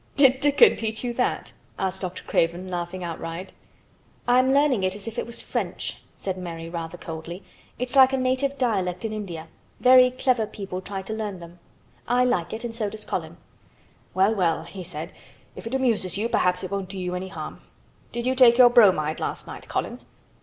"Did Dickon teach you that?" asked Dr. Craven, laughing outright. "I'm learning it as if it was French," said Mary rather coldly. "It's like a native dialect in India. Very clever people try to learn them. I like it and so does Colin." "Well, well," he said. "If it amuses you perhaps it won't do you any harm. Did you take your bromide last night, Colin?"